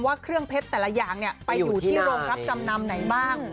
ว่าเครื่องเพชรแต่ละอย่างไปอยู่ที่โรงรับจำนำไหนบ้าง